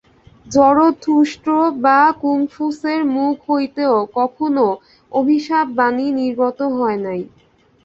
জরথুষ্ট্র বা কংফুছের মুখ হইতেও কখনও অভিশাপ-বাণী নির্গত হয় নাই।